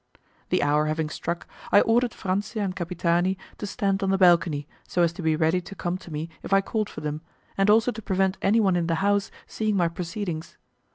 The hour having struck, I ordered Franzia and Capitani to stand on the balcony, so as to be ready to come to me if I called for them, and also to prevent anyone in the house seeing my proceedings.